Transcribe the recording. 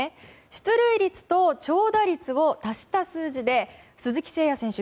出塁率と長打率を足した数字で鈴木誠也選手